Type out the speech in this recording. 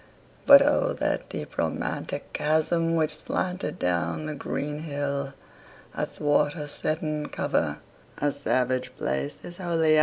But O, that deep romantic chasm which slanted Down the green hill athwart a cedarn cover! A savage place!